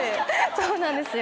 そうなんですよ。